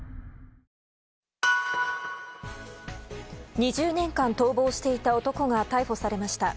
２０年間逃亡していた男が逮捕されました。